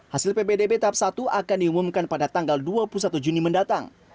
hasil ppdb tahap satu akan diumumkan pada tanggal dua puluh satu juni mendatang